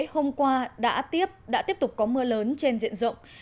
hôm qua đã tiếp tục có mưa lớn trên diện rộng